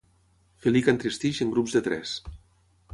Felí que entristeix en grups de tres.